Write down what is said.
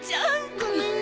ごめんね。